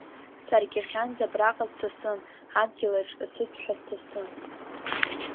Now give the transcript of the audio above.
Саргь иахьанӡа абраҟа ссасын, адгьылаҿ асыҭәҳәа сҭасын.